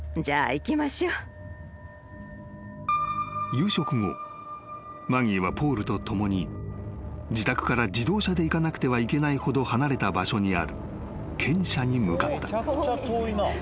［夕食後マギーはポールと共に自宅から自動車で行かなくてはいけないほど離れた場所にある犬舎に向かった］